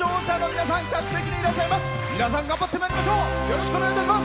皆さん、頑張ってまいりましょう。